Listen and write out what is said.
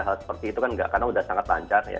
hal seperti itu kan karena sudah sangat lancar ya